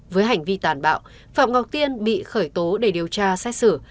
với hành vi tàn bạo phạm ngọc tiên bị khởi tố để điều tra xét xử